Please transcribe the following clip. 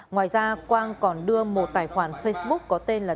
ngoài ra quang còn đưa một tài khoản facebook có tên là